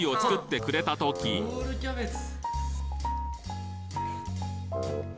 例えばロールキャベツ！